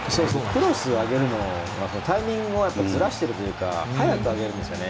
クロスを上げるのはタイミングをずらしてというか早く上げるんですね。